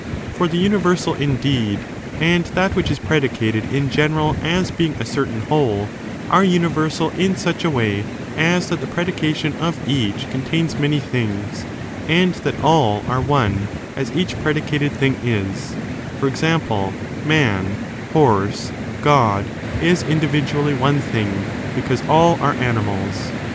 For the universal, indeed, and that which is predicated in general as being a certain whole, are universal in such a way as that the predication of each contains many things, and that all are one as each predicated thing is; for example, man, horse, god, is individually one thing, because all are animals.